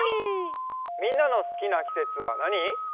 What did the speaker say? みんなのすきなきせつはなに？